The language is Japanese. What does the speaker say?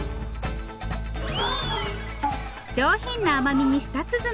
上品な甘みに舌鼓。